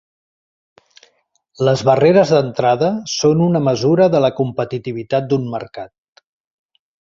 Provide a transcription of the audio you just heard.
Les barreres d'entrada són una mesura de la competitivitat d'un mercat.